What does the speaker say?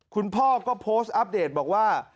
คุณพ่อก็โพสต์อัปเดตบอกว่า